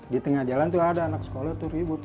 di tengah jalan tuh ada anak sekolah tuh ribut